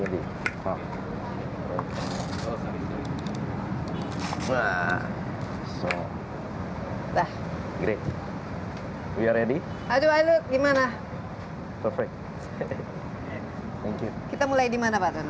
udah great we are ready gimana perfect kita mulai dimana pak